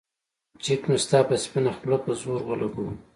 چک مې ستا پۀ سپينه خله پۀ زور اولګوو